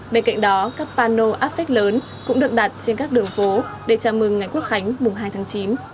bên cạnh đó các pano áp phép lớn cũng được đặt trên các đường phố để chào mừng ngày quốc khánh mùng hai tháng chín